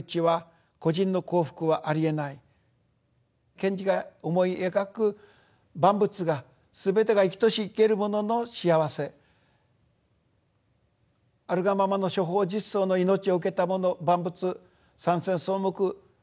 賢治が思い描く万物がすべてが生きとし生けるものの幸せあるがままの諸法実相の命を受けた者万物山川草木